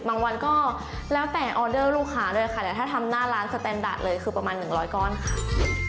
วันก็แล้วแต่ออเดอร์ลูกค้าด้วยค่ะแต่ถ้าทำหน้าร้านสแตนดาร์ดเลยคือประมาณ๑๐๐ก้อนค่ะ